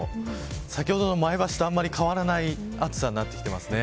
先ほどの前橋とあまり変わらない暑さになってきています。